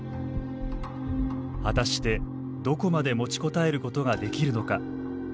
果たして、どこまで持ちこたえることができるのか。